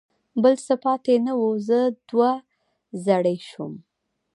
بل څه پاتې نه و، زه دوه زړی شوم.